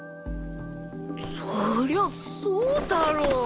そりゃあそうだろ！